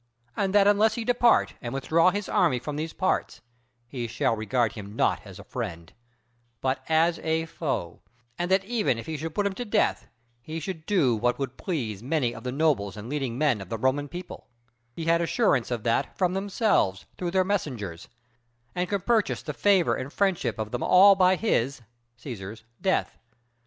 And that unless he depart and withdraw his army from these parts, he shall regard him not as a friend, but as a foe; and that even if he should put him to death, he should do what would please many of the nobles and leading men of the Roman people; he had assurance of that from themselves through their messengers, and could purchase the favor and the friendship of them all by his [Cæsar's] death.